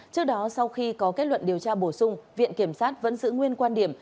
trước đó sau khi có kết luận điều tra bổ sung viện kiểm sát vẫn giữ nguyên quan điểm